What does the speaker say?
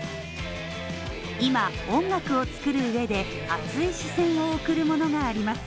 今、音楽を作る上で熱い視線を送るものがあります。